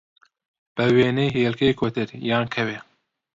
بە وێنەی هێلکەی کۆتر، یا کەوێ